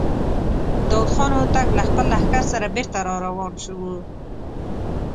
داوود خان هوتک له خپل لښکر سره بېرته را روان و.